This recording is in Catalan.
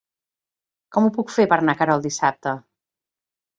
Com ho puc fer per anar a Querol dissabte?